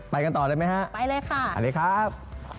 ไปกันต่อได้ไหมฮะอันนี้ครับไปเลยค่ะไปเลยครับ